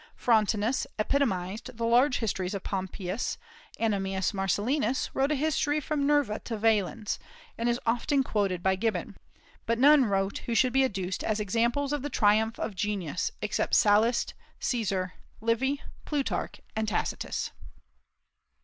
Frontinus epitomized the large histories of Pompeius. Ammianus Marcellinus wrote a history from Nerva to Valens, and is often quoted by Gibbon. But none wrote who should be adduced as examples of the triumph of genius, except Sallust, Caesar, Livy, Plutarch, and Tacitus.